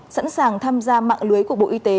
sẵn sàng tham gia mạng lưới của bộ y tế